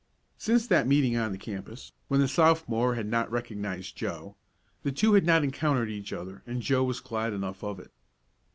Since that meeting on the campus, when the Sophomore had not recognized Joe, the two had not encountered each other, and Joe was glad enough of it.